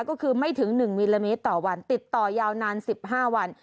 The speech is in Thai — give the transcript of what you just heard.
ก็คือไม่ถึง๑มิลลิเมตรต่อวันติดต่อยาวนาน๑๕วัน